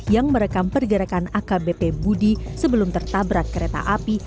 yang merekam pergerakan akbp budi sebelum tertabrak kereta api